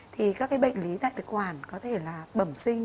thì các cái bệnh lý tại thực quản có thể là bẩm sinh